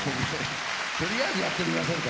とりあえずやってみませんか。